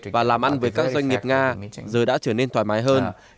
và làm ăn với các doanh nghiệp nga giờ đã trở nên thoải mái hơn